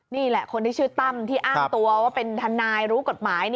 นี่แหละคนที่ชื่อตั้มที่อ้างตัวว่าเป็นทนายรู้กฎหมาย